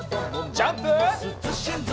ジャンプ！